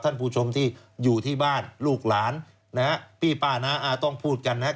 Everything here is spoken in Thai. ท่านผู้ชมที่อยู่ที่บ้านลูกหลานนะฮะพี่ป้าน้าอาต้องพูดกันนะครับ